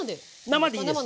生でいいです。